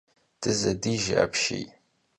Dızedije apşiy!